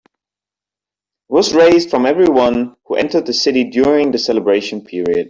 It was raised from everyone who entered the city during the celebration period.